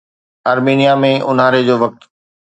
آرمينيا ۾ اونهاري جو وقت